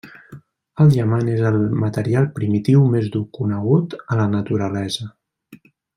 El diamant és el material primitiu més dur conegut a la naturalesa.